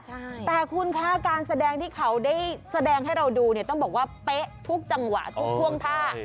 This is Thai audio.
แต่คุณคะการแสดงที่เขาได้แสดงให้เราดูเนี่ยต้องบอกว่าเป๊ะทุกจังหวะทุกท่วงท่า